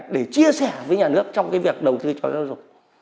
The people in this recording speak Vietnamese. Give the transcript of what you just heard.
để chia sẻ với nhà nước trong cái việc đầu tư cho giáo dục